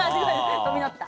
飛び乗った。